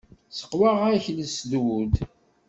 Seqwaɣ-ak lesdud.